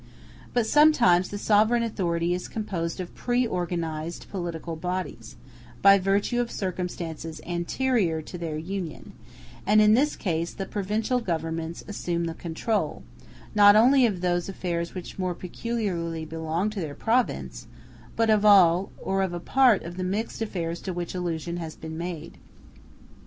But sometimes the sovereign authority is composed of preorganized political bodies, by virtue of circumstances anterior to their union; and in this case the provincial governments assume the control, not only of those affairs which more peculiarly belong to their province, but of all, or of a part of the mixed affairs to which allusion has been made.